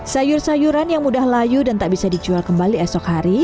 sayur sayuran yang mudah layu dan tak bisa dijual kembali esok hari